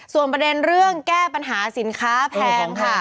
ส่วนประเด็นเรื่องแก้ปัญหาสินค้าแพงค่ะ